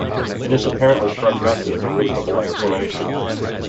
This apparently struck Gussie as a reasonable explanation.